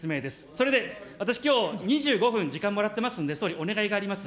それで私、きょう、２５分時間もらってますので、総理お願いがあります。